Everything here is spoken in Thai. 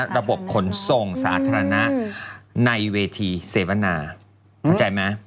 ระบบขนส่งสาธารณะในเวทีเซวน่า